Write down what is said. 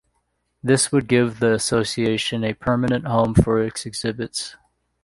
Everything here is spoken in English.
This would give the association a permanent home for its exhibits.